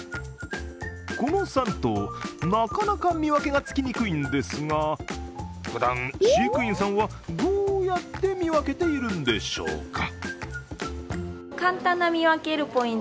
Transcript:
この３頭、なかなか見分けがつきにくいんですが、ふだん、飼育員さんはどうやって見分けているんでしょうか。